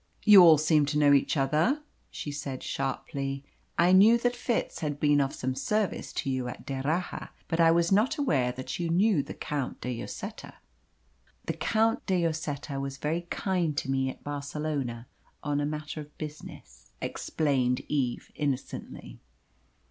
"You all seem to know each other," she said sharply. "I knew that Fitz had been of some service to you at D'Erraha; but I was not aware that you knew the Count de Lloseta." "The Count de Lloseta was very kind to me at Barcelona on a matter of business," explained Eve innocently.